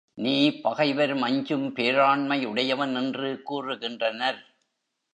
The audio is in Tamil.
நீ பகைவரும் அஞ்சும் பேராண்மையுடையவன் என்று கூறுகின்றனர்.